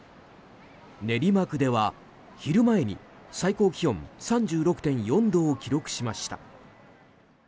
練馬区では昼前に最高気温３６．４度を記録しました。